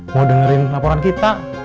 mau dengerin laporan kita